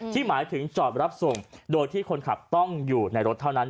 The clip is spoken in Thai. หมายถึงจอดรับส่งโดยที่คนขับต้องอยู่ในรถเท่านั้น